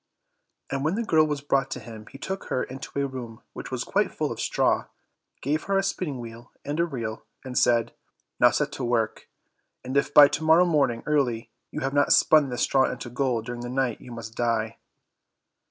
And when the girl was brought to him he took her into a room which was quite full of straw, gave her a spinning wheel and a reel, and said, "Now set to work, and if by to morrow morning early you have not spun this straw into gold during the night, you must die."